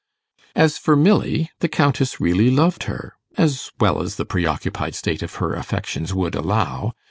As for Milly, the Countess really loved her as well as the preoccupied state of her affections would allow.